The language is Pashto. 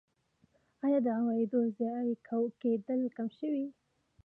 آیا د عوایدو ضایع کیدل کم شوي؟